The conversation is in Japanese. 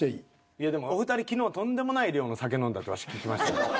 いやでもお二人昨日とんでもない量の酒飲んだってワシ聞きましたよ。